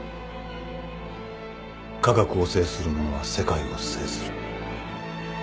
「科学を制する者は世界を制する」